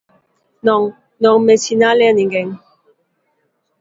Non, non me sinale a ninguén.